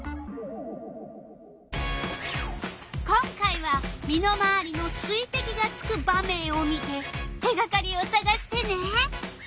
今回は身のまわりの水てきがつく場面を見て手がかりをさがしてね！